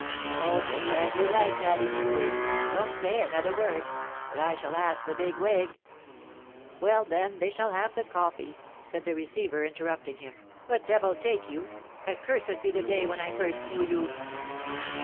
"Oh, just as you like, Daddy Micou, don't say another word, but I shall ask the big wig " "Well, then, they shall have the coffee," said the receiver, interrupting him. "But devil take you! Accursed be the day when I first knew you!"